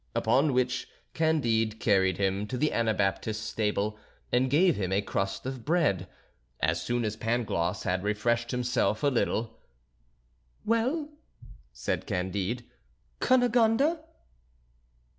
Upon which Candide carried him to the Anabaptist's stable, and gave him a crust of bread. As soon as Pangloss had refreshed himself a little: "Well," said Candide, "Cunegonde?"